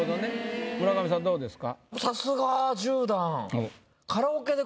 村上さんどうですか？